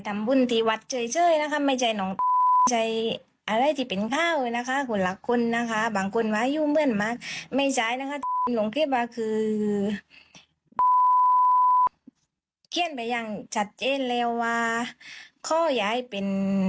มากไม่ใช่นะฮะหลวงที่บาคือเขียนไปยังจัดเจนแล้วว่าข้อย้ายเป็น